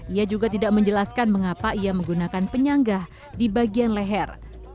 ia juga tidak menjelaskan mengapa ia menggunakan penyanggah di bagian leher